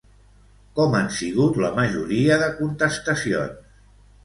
Com han sigut la majoria de contestacions?